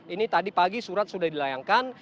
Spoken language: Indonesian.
ini tadi pagi surat sudah dilayangkan